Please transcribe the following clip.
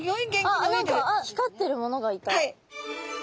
あ何か光ってるものがいた。